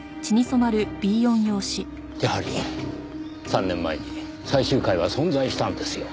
やはり３年前に最終回は存在したんですよ。